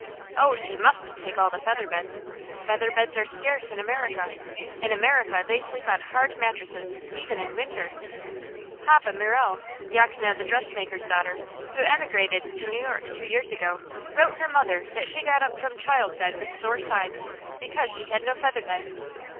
Oh, she must take all the featherbeds! Featherbeds are scarce in America. In America they sleep on hard mattresses, even in winter. Haveh Mirel, Yachne the dressmaker's daughter, who emigrated to New York two years ago, wrote her mother that she got up from childbed with sore sides, because she had no featherbed.